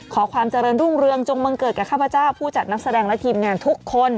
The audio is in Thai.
ความเจริญรุ่งเรืองจงบังเกิดกับข้าพเจ้าผู้จัดนักแสดงและทีมงานทุกคน